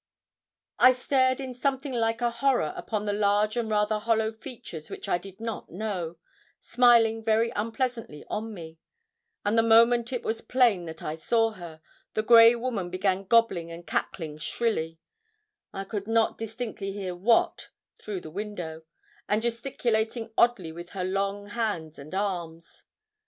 I stared in something like a horror upon the large and rather hollow features which I did not know, smiling very unpleasantly on me; and the moment it was plain that I saw her, the grey woman began gobbling and cackling shrilly I could not distinctly hear what through the window and gesticulating oddly with her long hands and arms.